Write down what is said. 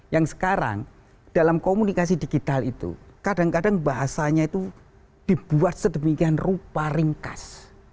yang sekarang dalam komunikasi digital itu kadang kadang bahasanya itu dibuat sedemikian rupa ringkas